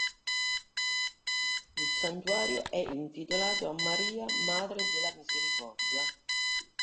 Il santuario è intitolato a Maria "Madre della Misericordia".